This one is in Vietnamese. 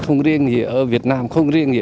không riêng gì ở việt nam không riêng gì